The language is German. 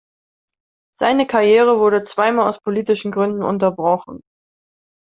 Seine Karriere wurde zweimal aus politischen Gründen unterbrochen.